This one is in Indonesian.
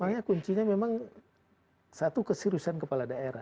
makanya kuncinya memang satu keseriusan kepala daerah